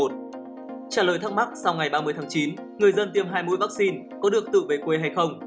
trả lời thắc mắc sau ngày ba mươi tháng chín người dân tiêm hai mũi vaccine có được tự về quê hay không